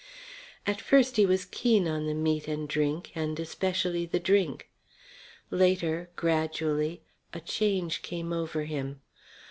At first he was keen on the meat and drink more especially the drink. Later, gradually, a change came over him.